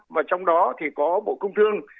và trong đó thì có bộ công thương